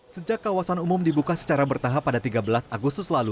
sejak kawasan umum dibuka secara bertahap pada tiga belas agustus lalu